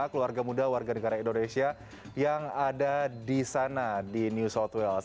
keluarga muda warga negara indonesia yang ada di sana di new south wales